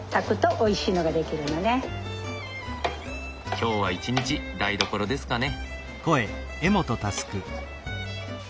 今日は一日台所ですかね。